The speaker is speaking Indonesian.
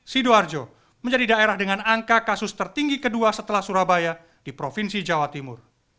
sidoarjo menjadi daerah dengan angka kasus tertinggi kedua setelah surabaya di provinsi jawa timur